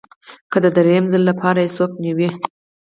که د درېیم ځل لپاره به یې څوک نیوه